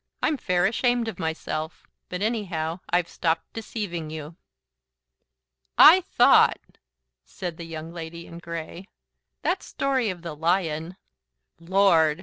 "I'm fair ashamed of myself. But anyhow I've stopped deceiving you." "I THOUGHT," said the Young Lady in Grey, "that story of the lion " "Lord!"